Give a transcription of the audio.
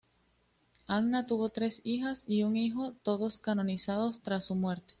Anna tuvo tres hijas y un hijo, todos canonizados tras su muerte.